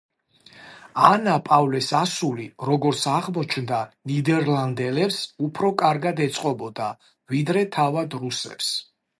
ანა პავლეს ასული, როგორც აღმოჩნდა ნიდერლანდელებს უფრო კარგად ეწყობოდა, ვიდრე თავად რუსებს.